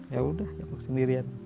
ya udah aku sendirian